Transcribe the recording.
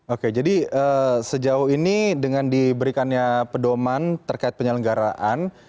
oke jadi sejauh ini dengan diberikannya pedoman terkait penyelenggaraan